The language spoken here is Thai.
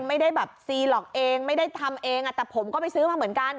ไม่ได้ปั๊มเองไม่ได้ซีหลอกเองไม่ได้ทำเองแต่ผมก็ไปซื้อมาเหมือนกัน